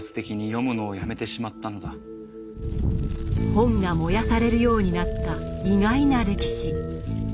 本が燃やされるようになった意外な歴史。